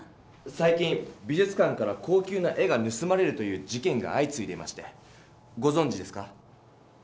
さい近美じゅつ館から高級な絵がぬすまれるという事件があいついでましてごぞんじですか？